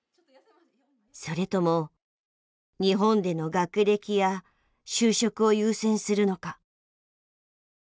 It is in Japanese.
それとも日本での学歴や就職を優先するのか。